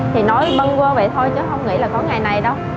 thì nói bân vơ vậy thôi chứ không nghĩ là có ngày này đâu